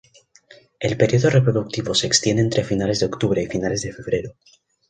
El período reproductivo se extiende entre finales de octubre y finales de febrero.